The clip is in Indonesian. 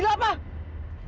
kamu udah gila apa